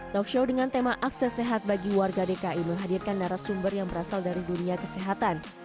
talk show dengan tema akses sehat bagi warga dki menghadirkan narasumber yang berasal dari dunia kesehatan